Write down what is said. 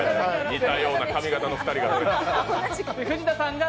似たような髪形の２人が。